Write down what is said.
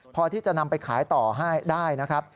พอที่จะนำไปขายต่อให้ได้นะครับ